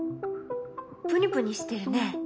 プニプニしてるね。